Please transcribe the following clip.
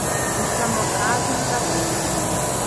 Sie stammen aus Asien und Afrika.